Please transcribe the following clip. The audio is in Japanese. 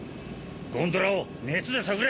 ゴンドラを熱で探れ！